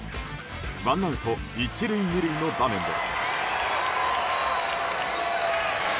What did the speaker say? ワンアウト１塁２塁の場面で。